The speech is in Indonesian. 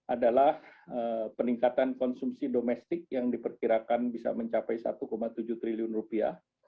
adalah peningkatan konsumsi domestik yang diperkirakan bisa mencapai satu tujuh triliun rupiah